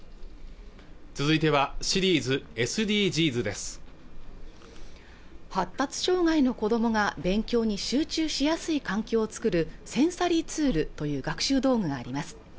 続いてはシリーズ「ＳＤＧｓ」です発達障害の子どもが勉強に集中しやすい環境を作るセンサリーツールという学習道具があります